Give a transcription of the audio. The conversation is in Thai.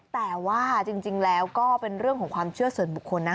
แต่ว่าจริงแล้วก็เป็นเรื่องของความเชื่อส่วนบุคคลนะ